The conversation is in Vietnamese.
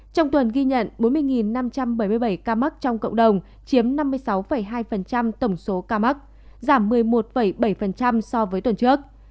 trong tuần ghi nhận bốn mươi năm trăm bảy mươi bảy ca mắc trong cộng đồng chiếm năm mươi sáu hai tổng số ca mắc giảm một mươi một bảy so với tuần trước